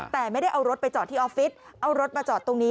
แต่ไม่ได้เอารถไปจอดที่ออฟฟิศเอารถมาจอดตรงนี้